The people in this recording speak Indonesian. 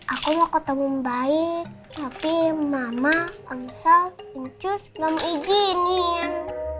aku mau ketemu bayi tapi mama pamsal pungcus gak mau izinin